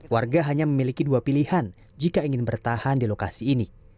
warga hanya memiliki dua pilihan jika ingin bertahan di lokasi ini